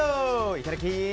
いただき！